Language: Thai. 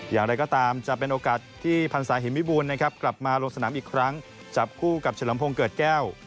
อย่างไรก็ตามจะเป็นโอกาสที่พันศาหิมวิบูรณ์นะครับกลับมาลงสนามอีกครั้งจับคู่กับเฉลิมพงศ์เกิดแก้ว